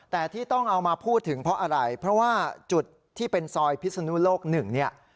แต่ที่ต้องเอามาพูดถึงเพราะอะไรเพราะว่าจุดที่เป็นซอยพิศนุโลกหนึ่งเนี่ย